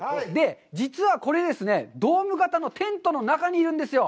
実は、これですね、ドーム型のテントの中にいるんですよ。